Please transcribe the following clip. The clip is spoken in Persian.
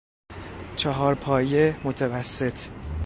چهار پایه متوسط